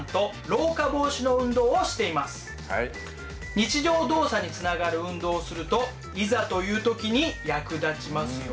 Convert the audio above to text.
日常動作につながる運動をするといざという時に役立ちますよ。